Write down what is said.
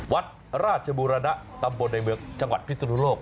วัดราชบูรณะตำบลในเมืองจังหวัดพิศนุโลก